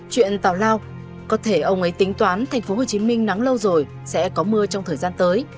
chuyện tào lao có thể ông ấy tính toán thành phố hồ chí minh nắng lâu rồi sẽ có mưa trong thời gian tới